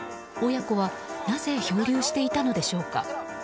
親子はなぜ漂流していたのでしょうか。